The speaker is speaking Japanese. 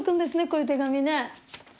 こういう手紙ね